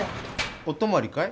お泊まりかい？